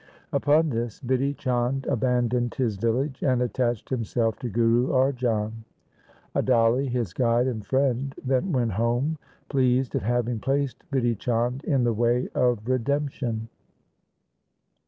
Upon this Bidhi Chand abandoned his village and attached himself to Guru Arjan. Adali his guide and friend then went home, pleased at having placed Bidhi Chand in the way of redemption.